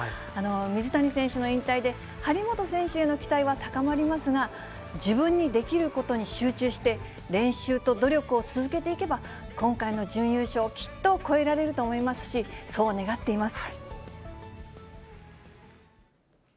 水谷選手の引退で、張本選手への期待は高まりますが、自分にできることに集中して、練習と努力を続けていけば、今回の準優勝をきっと超えられると思いますし、そう願っています。